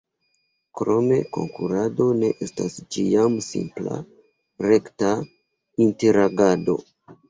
Krome, konkurado ne estas ĉiam simpla, rekta, interagado.